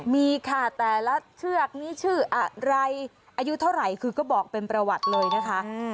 มีค่ะแต่ละเชือกนี้ชื่ออะไรอายุเท่าไหร่คือก็บอกเป็นประวัติเลยนะคะ